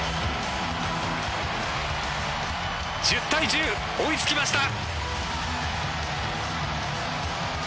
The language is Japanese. １０対１０追いつきました。